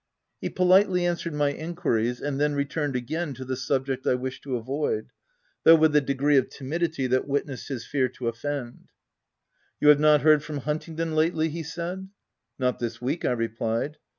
He politely answered my enquiries, and then returned again to the subject I wished to avoid ; though with a degree of timidity that witnessed his fear to otFend. " You have not heard from Huntingdon lately?" he said. " Not this week/' I replied.